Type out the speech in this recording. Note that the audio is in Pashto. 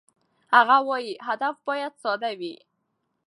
هغه وايي، هدف باید ساده وي.